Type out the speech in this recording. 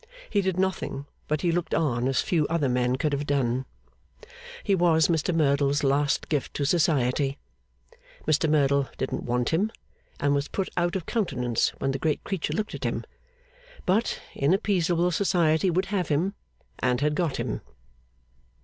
He did nothing, but he looked on as few other men could have done. He was Mr Merdle's last gift to Society. Mr Merdle didn't want him, and was put out of countenance when the great creature looked at him; but inappeasable Society would have him and had got him.